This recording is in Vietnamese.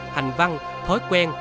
hành văn thói quen